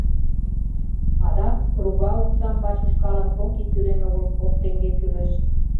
Адак руга оксам бачушкалан кок ий тӱлен огыл, кок теҥге кӱлеш.